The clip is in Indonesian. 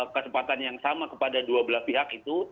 kesempatan yang sama kepada dua belah pihak itu